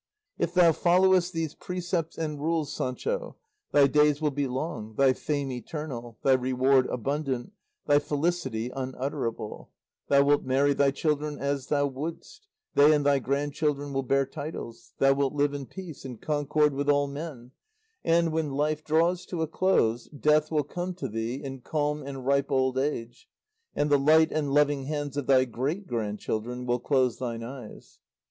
"If thou followest these precepts and rules, Sancho, thy days will be long, thy fame eternal, thy reward abundant, thy felicity unutterable; thou wilt marry thy children as thou wouldst; they and thy grandchildren will bear titles; thou wilt live in peace and concord with all men; and, when life draws to a close, death will come to thee in calm and ripe old age, and the light and loving hands of thy great grandchildren will close thine eyes.